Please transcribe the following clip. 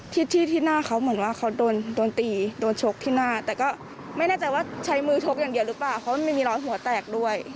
ที่ที่หน้าเขาเหมือนว่าเขาโดนโดนตีโดนชกที่หน้าแต่ก็ไม่แน่ใจว่าใช้มือชกอย่างเดียวหรือเปล่าเพราะมันมีรอยหัวแตกด้วย